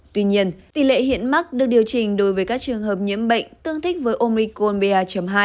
tuy nhiên tỷ lệ hiện mắc được điều chỉnh đối với các trường hợp nhiễm bệnh tương thích với omicron ba hai chín ba